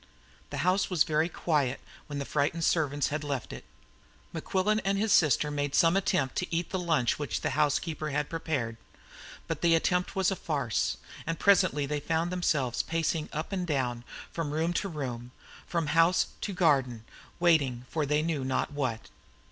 The house was very quiet when the frightened servants had left it. Mequillen and his sister made some attempt to eat the lunch which the housekeeper prepared; but the attempt was a farce, and presently they found themselves pacing up and down, from room to room, from house to garden, waiting for they knew not what.